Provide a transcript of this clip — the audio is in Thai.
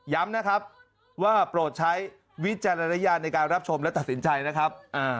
ย้ำนะครับว่าโปรดใช้วิจารณญาณในการรับชมและตัดสินใจนะครับ